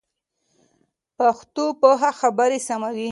پښتو پوهه خبري سموي.